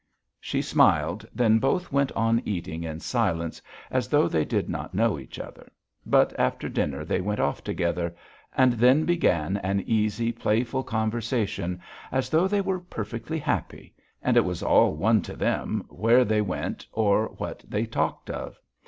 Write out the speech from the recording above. She smiled. Then both went on eating in silence as though they did not know each other; but after dinner they went off together and then began an easy, playful conversation as though they were perfectly happy, and it was all one to them where they went or what they talked of.